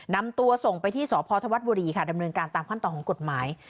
นำตัวส่งไปที่สพธวัฒนบุรีค่ะดำเนินการตามขั้นตอนของกฎหมาย